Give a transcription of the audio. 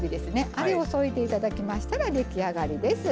あれを添えて頂きましたら出来上がりです。